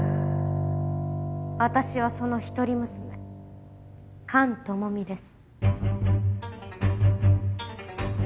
私はその一人娘菅朋美です。